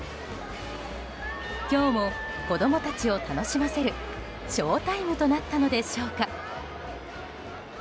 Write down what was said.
今日も子供たちを楽しませるショウタイムとなったのでしょうか。